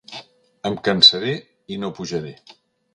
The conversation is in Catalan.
Em cansaré i no pujaré.